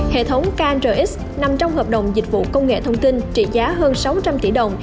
hệ thống krx nằm trong hợp đồng dịch vụ công nghệ thông tin trị giá hơn sáu trăm linh tỷ đồng